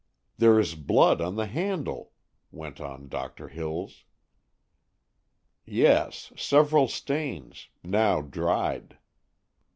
"There is blood on the handle," went on Doctor Hills. "Yes, several stains, now dried."